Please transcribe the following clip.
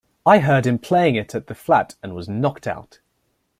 I heard him playing it at the flat and was knocked out.